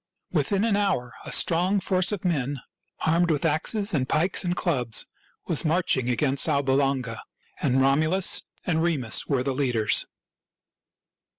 Within an hour a strong force of men, armed with axes and pikes and clubs, was marching against Alba Longa; and Romulus and Remus were the leaders.